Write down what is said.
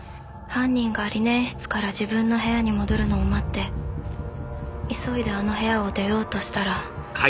犯人がリネン室から自分の部屋に戻るのを待って急いであの部屋を出ようとしたら。